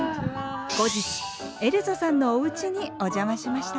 後日エルザさんのおうちにお邪魔しました。